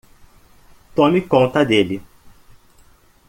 Tome conta dele.